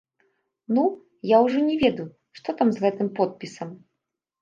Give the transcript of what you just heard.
Ну, я ўжо не ведаю, што там з гэтым подпісам.